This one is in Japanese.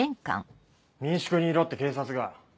・民宿にいろって警察が。